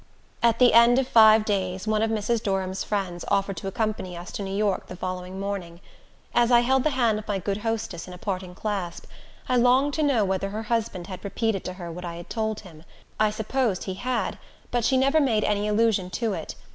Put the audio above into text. At the end of five days, one of Mrs. Durham's friends offered to accompany us to New York the following morning. As I held the hand of my good hostess in a parting clasp, I longed to know whether her husband had repeated to her what I had told him. I supposed he had, but she never made any allusion to it.